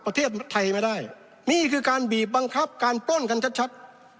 ประเทศไทยไม่ได้นี่คือการบีบบังคับการปล้นกันชัดชัด